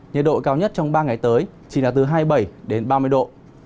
nhiệt độ cao nhất trong ba ngày tới chỉ là từ hai mươi bảy đến ba mươi độ